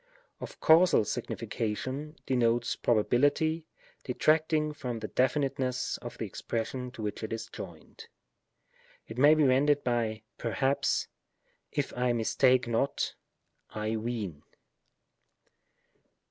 Of causal signification, denotes probability, detracting from the definiteness of the expression to which it is joined. It may be rendered by " perhaps," " if I mistake not," " I ween."